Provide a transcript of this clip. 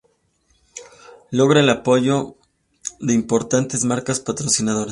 Logra el apoyo de importantes marcas patrocinadoras.